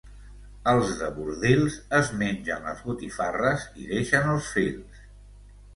Els de Bordils es mengen les botifarres i deixen els fils.